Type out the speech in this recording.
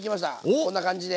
こんな感じで。